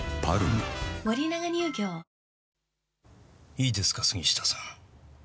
いいですか杉下さん。